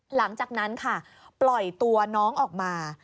หลังจากนั้นค่ะปล่อยตัวน้องออกมา